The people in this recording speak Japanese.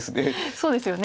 そうですよね。